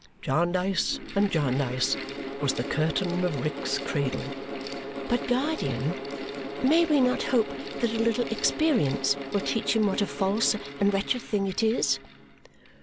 Jarndyce and Jarndyce was the curtain of Rick's cradle." "But, guardian, may we not hope that a little experience will teach him what a false and wretched thing it is?"